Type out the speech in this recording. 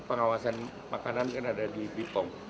pengawasan makanan yang ada di bpom